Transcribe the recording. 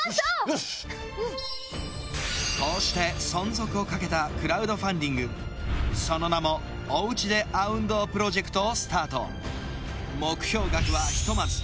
よしよしっこうして存続をかけたクラウドファンディングその名も「おうちｄｅあうん堂」プロジェクトをスタート目標額はひとまず